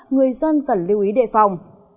người dân cần lưu ý đề phòng